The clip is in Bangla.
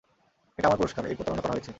এটা আমার পুরষ্কার, এই প্রতারণা করা হয়েছে।